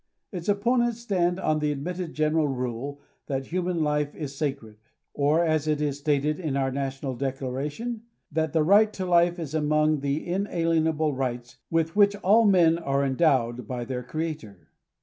Its opponents stand on the admitted general rule that human life is sacred ; or, as it is stated in our national declaration, that the right to life is among the inalienable rights" with which *^ all men are endowed by their. Creator."